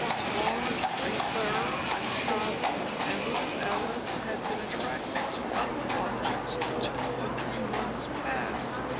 Laurence, and Clara, and Charley, and little Alice, had been attracted to other objects, for two or three months past.